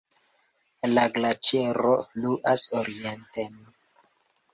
La glaĉero fluas orienten.